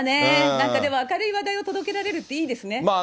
なんかでも明るい話題を届けられるって、いいですね。